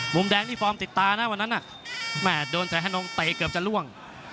มุมแดงนี่ฟอร์มติดตานะวันนั้นแม่โดนแสนฮนงเตะเกือบจะล่วง